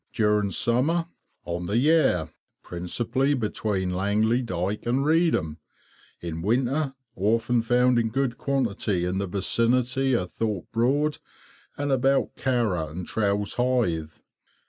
During summer, on the Yare, principally between Langley Dyke and Reedham; in winter often found in good quantity in the vicinity of Thorpe Broad and about Carrow and Trowse Hythe.